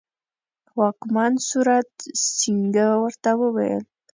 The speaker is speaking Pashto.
واکمن سورت سینګه ورته وویل.